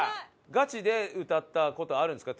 ガチで歌った事あるんですか？